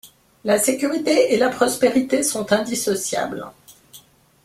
La sécurité et la prospérité sont indissociables.